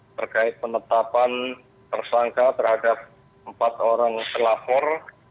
terkait penetapan tersangka terhadap empat orang pelapor